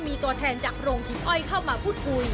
มีตัวแทนจากโรงหินอ้อยเข้ามาพูดคุย